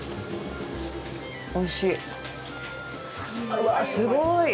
うわー、すごい。